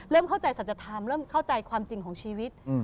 เริ่มเข้าใจสัจธรรมเริ่มเข้าใจความจริงของชีวิต